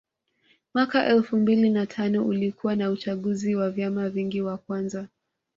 Mwaka elfu mbili na tano ulikuwa na uchaguzi wa vyama vingi wa kwanza